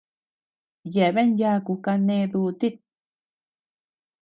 Yeabean yaku kané dutit.